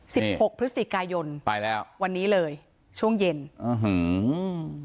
หกพฤศจิกายนไปแล้ววันนี้เลยช่วงเย็นอื้อหือ